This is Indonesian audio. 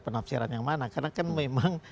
penafsiran yang mana karena kan memang